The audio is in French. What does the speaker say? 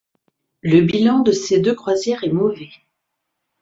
Le bilan de ces deux croisières est mauvais.